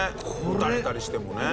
撃たれたりしてもね。